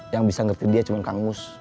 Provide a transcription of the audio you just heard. yang bisa ngerti dia cuma kang mus